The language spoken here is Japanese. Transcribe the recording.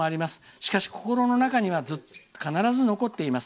しかし、心の中には必ず残っています。